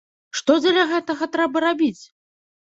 Што дзеля гэтага трэба рабіць?